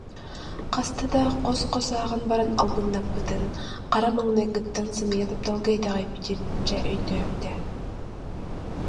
Хаста да хос-хос ааҕан баран албыннаппытын, хара маҥнайгыттан сымыйа тапталга итэҕэйбитин, дьэ, өйдөөбүтэ